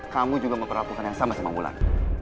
kamu juga memperlakukan yang sama sama bulan